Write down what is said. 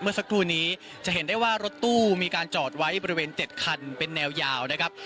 เมื่อสักครู่นี้จะเห็นได้ว่ารถตู้มีการจอดไว้บริเวณ๗คันเป็นแนวยาวนะครับ